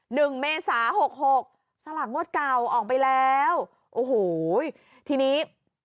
เมษาหกหกสลากงวดเก่าออกไปแล้วโอ้โหทีนี้